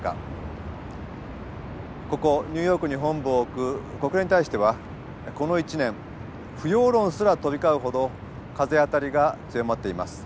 ここニューヨークに本部を置く国連に対してはこの１年不要論すら飛び交うほど風当たりが強まっています。